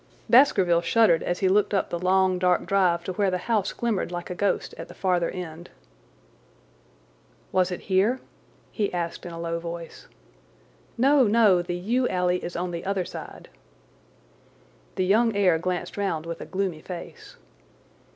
Baskerville shuddered as he looked up the long, dark drive to where the house glimmered like a ghost at the farther end. "Was it here?" he asked in a low voice. "No, no, the yew alley is on the other side." The young heir glanced round with a gloomy face.